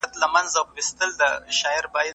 بد چلند د انسان شخصیت کمزوری کوي.